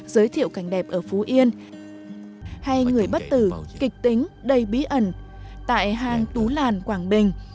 giới thiệu cảnh đẹp ở phú yên hay người bất tử kịch tính đầy bí ẩn tại hang tú làn quảng bình